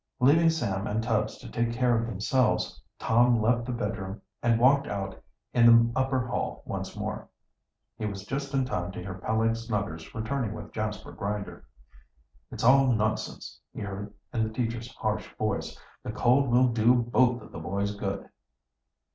Leaving Sam and Tubbs to take care of themselves, Tom left the bedroom and walked out in the upper hall once more. He was just in time to hear Peleg Snuggers returning with Jasper Grinder. "It's all nonsense," he heard, in the teacher's harsh voice. "The cold will do both of the boys good."